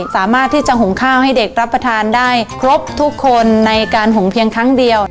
สามารถที่จะหุงข้าวให้เด็กรับประทานได้ครบทุกคนในการหุงเพียงครั้งเดียว